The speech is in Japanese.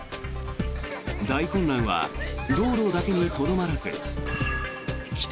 大混乱は道路だけにとどまらず帰宅